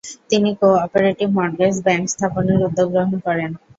তিনি ‘cooperative mortgage bank’ স্থাপনের উদ্যোগ গ্রহণ করেন।